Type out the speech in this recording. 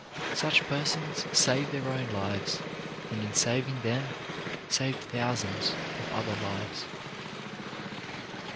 Such per sons save their own lives, and in saving them save thousands of other lives.